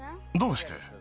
どうして？